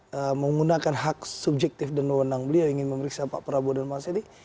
jadi kalau sani epori menggunakan hak subjektif dan wunang beliau ingin memeriksa pak prabowo dan bang sandi